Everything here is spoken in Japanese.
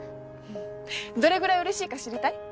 どれぐらいうれしいか知りたい？